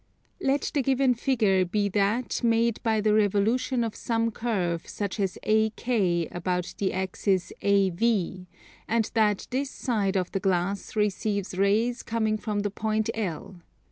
Let the given figure be that made by the revolution of some curve such as AK about the axis AV, and that this side of the glass receives rays coming from the point L.